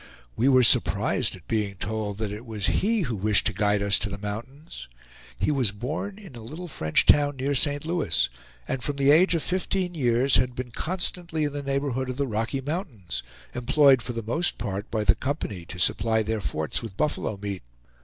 We were surprised at being told that it was he who wished to guide us to the mountains. He was born in a little French town near St. Louis, and from the age of fifteen years had been constantly in the neighborhood of the Rocky Mountains, employed for the most part by the Company to supply their forts with buffalo meat.